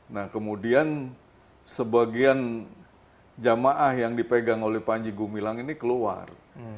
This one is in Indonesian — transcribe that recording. nah kemudian sebagian jamaah yang dipegang oleh panji gumilang ini keluar